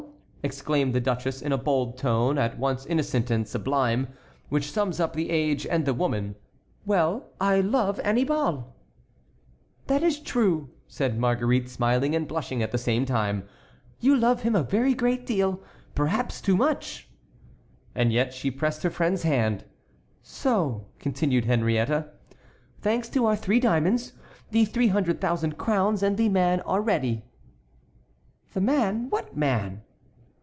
exclaimed the duchess in a bold tone at once innocent and sublime, which sums up the age and the woman, "well, I love Annibal!" "That is true," said Marguerite, smiling and blushing at the same time, "you love him a very great deal, too much, perhaps." And yet she pressed her friend's hand. "So," continued Henriette, "thanks to our three diamonds, the three hundred thousand crowns and the man are ready." "The man? What man?"